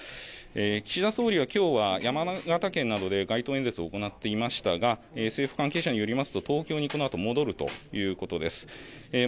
岸田総理は、きょうは山形県などで街頭演説を行っていましたが政府関係者によりますと東京にこのあと戻るということです。